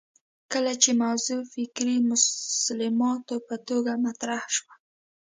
کله چې موضوع فکري مسلماتو په توګه مطرح شوه